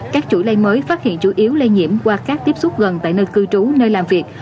các chuỗi lây mới phát hiện chủ yếu lây nhiễm qua các tiếp xúc gần tại nơi cư trú nơi làm việc